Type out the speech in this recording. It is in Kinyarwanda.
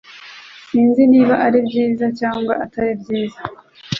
Sinzi niba ari byiza cyangwa atari byiza